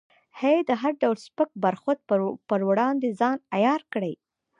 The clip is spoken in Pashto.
چې د هر ډول سپک برخورد پر وړاندې ځان عیار کړې.